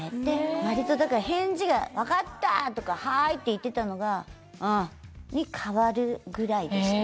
割とだから返事が「分かった！」とか「はい！」って言ってたのが「うん」に変わるぐらいでしたね